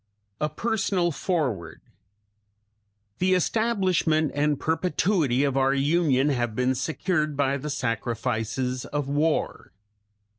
A Personal Foreword The establishment and perpetuity of our Union have been secured by the sacrifices of war.